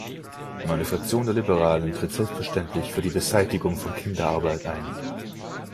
Meine Fraktion der Liberalen tritt selbstverständlich für die Beseitigung von Kinderarbeit ein.